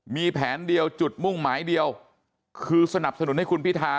มีแผนเดียวจุดมุ่งหมายเดียวคือสนับสนุนให้คุณพิธา